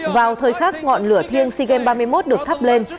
vào thời khắc ngọn lửa thiêng sea games ba mươi một được thắp lên